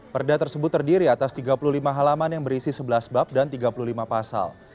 perda tersebut terdiri atas tiga puluh lima halaman yang berisi sebelas bab dan tiga puluh lima pasal